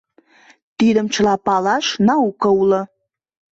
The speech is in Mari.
— Тидым чыла палаш науко уло.